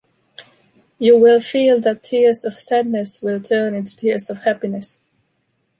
You will feel that tears of sadness will turn into tears of happiness.